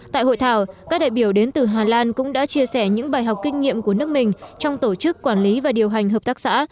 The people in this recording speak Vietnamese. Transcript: tại hội thảo các đại biểu đến từ hà lan cũng đã chia sẻ những bài học kinh nghiệm của nước mình trong tổ chức quản lý và điều hành hợp tác xã